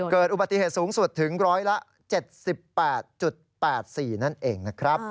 เกิดอุบัติเหตุสูงสุดถึงร้อยละ๗๘๘๔นั่นเองนะครับ